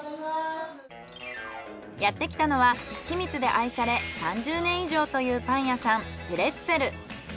やってきたのは君津で愛され３０年以上というパン屋さんプレッツェル。